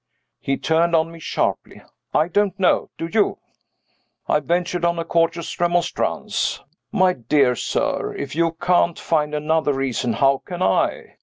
He turned on me sharply. "I don't know. Do you?" I ventured on a courteous remonstrance. "My dear sir! if you can't find another reason, how can I?